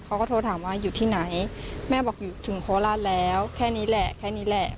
เขาก็โทรถามว่าอยู่ที่ไหนแม่บอกอยู่ถึงโคราชแล้วแค่นี้แหละแค่นี้แหละ